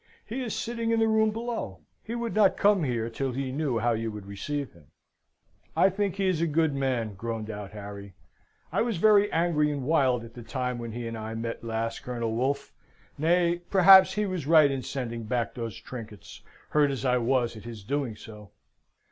He is sitting in the room below. He would not come here till he knew how you would receive him." "I think he is a good man!" groaned out Harry. "I was very angry and wild at the time when he and I met last, Colonel Wolfe. Nay, perhaps he was right in sending back those trinkets, hurt as I was at his doing so.